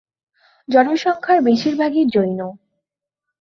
জনসংখ্যার বেশিরভাগই জৈন।